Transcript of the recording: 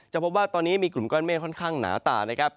พบว่าตอนนี้มีกลุ่มก้อนเมฆค่อนข้างหนาตานะครับ